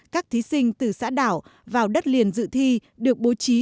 các thí sinh từ xã đảo vào đất liền dự thi được bố trí